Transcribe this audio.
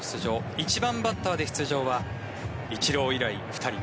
１番バッターで出場はイチロー以来２人目。